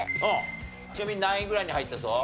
ちなみに何位ぐらいに入ってそう？